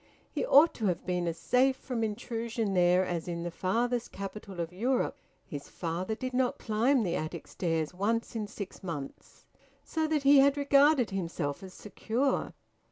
He ought to have been as safe from intrusion there as in the farthest capital of Europe. His father did not climb the attic stairs once in six months. So that he had regarded himself as secure.